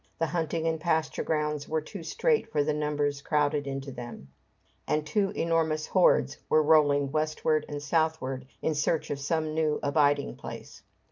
The hunting and pasture grounds were too straight for the numbers crowded into them, and two enormous hordes were rolling westward and southward in search of some new abiding place.